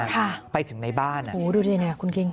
อ่ะไปถึงในบ้านอ่ะโอโหดูดีในค่ะคุณกิ้ง